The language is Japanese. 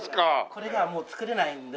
これがもう作れないので。